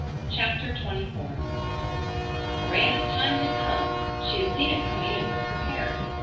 CHAPTER XXIV Miranda's time had come. She had seen it coming and was prepared.